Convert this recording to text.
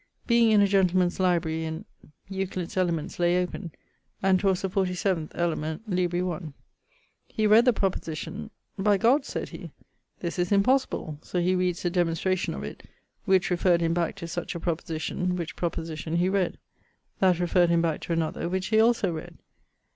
Being in a gentleman's library in ..., Euclid's Elements lay open, and 'twas the 47 El. libri I. He read the proposition. By[CIII.] G ,' sayd he, 'this is impossible!' So he reads the demonstration of it, which referred him back to such a proposition; which proposition he read. That referred him back to another, which he also read.